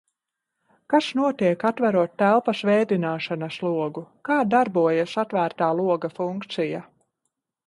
Kas notiek, atverot telpas vēdināšanas logu? Kā darbojas “atvērtā loga” funkcija?